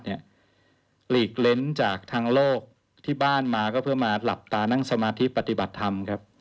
หลีกเล้นจากทางโลกที่บ้านมาก็เพื่อมาหลับตานั่งสมาธิปฏิบัติธรรมครับ